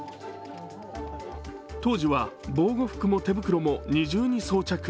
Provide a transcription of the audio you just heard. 当時は防護服も手袋も二重に装着。